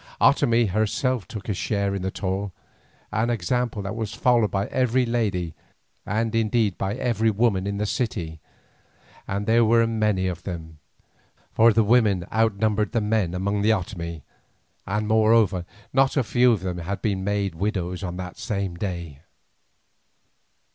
Otomie herself took a share in the toil, an example that was followed by every lady and indeed by every woman in the city, and there were many of them, for the women outnumbered the men among the Otomie, and moreover not a few of them had been made widows on that same day.